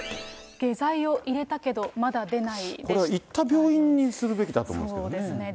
下剤を入れたけど、これは行った病院にするべきそうですね。